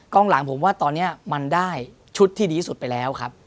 หลังผมว่าตอนนี้มันได้ชุดที่ดีที่สุดไปแล้วครับ